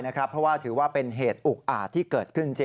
เพราะว่าถือว่าเป็นเหตุอุกอาจที่เกิดขึ้นจริง